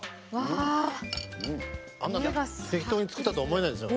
あんな適当に作ったとは思えないですよ。